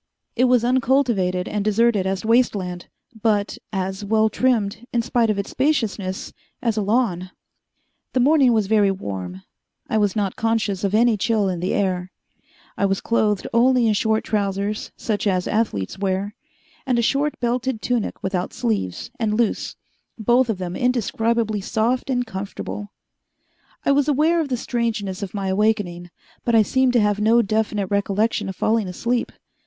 It was uncultivated and deserted as waste land, but as well trimmed, in spite of its spaciousness, as a lawn. The morning was very warm. I was not conscious of any chill in the air. I was clothed only in short trousers, such as athletes wear, and a short belted tunic without sleeves and loose both of them indescribably soft and comfortable. I was aware of the strangeness of my awakening, but I seemed to have no definite recollection of falling asleep.